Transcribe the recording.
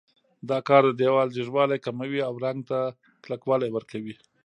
دا کار د دېوال ځیږوالی کموي او رنګ ته کلکوالی ورکوي.